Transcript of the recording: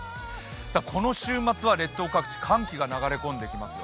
この週末は列島各地、寒気が流れ込んできます。